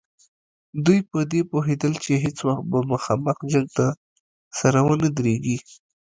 دوی په دې پوهېدل چې هېڅ وخت به مخامخ جنګ ته سره ونه دریږي.